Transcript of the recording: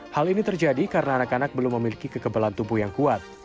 hal ini terjadi karena anak anak belum memiliki kekebalan tubuh yang kuat